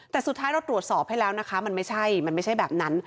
แต่สุดท้ายเราตรวจสอบให้แล้วนะคะมันไม่ใช่มันไม่ใช่แบบนั้น